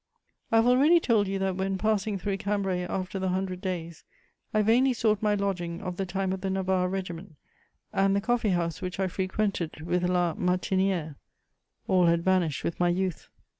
I have already told you that, when passing through Cambrai after the Hundred Days, I vainly sought my lodging of the time of the Navarre Regiment and the coffee house which I frequented with La Martinière: all had vanished with my youth.